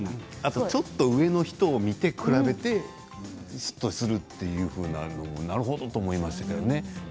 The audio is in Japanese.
ちょっと上の人を見て比べて嫉妬するというようなことなるほどと思いましたね。